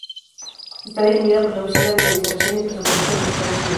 Está definida por la Oficina de Administración y Presupuesto de los Estados Unidos.